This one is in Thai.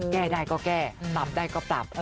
แก้ได้ก็แก้ปรับได้ก็ปรับ